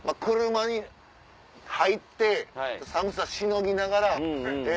車に入って寒さしのぎながら。